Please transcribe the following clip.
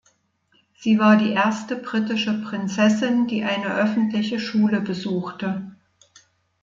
Sie war die erste britische Prinzessin, die eine öffentliche Schule besuchte.